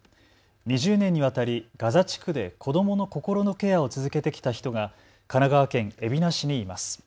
２０年にわたりガザ地区で子どもの心のケアを続けてきた人が神奈川県海老名市にいます。